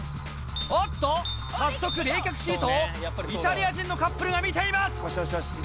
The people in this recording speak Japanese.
おっと、早速、冷却シートをイタリア人のカップルが見ています。